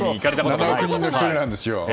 そう、７億人の１人なんです。